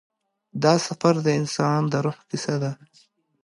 دا سفر د انسان د روح کیسه ده.